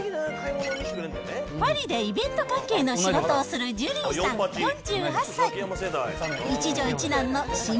パリでイベント関係の仕事をするジュリーさん４８歳。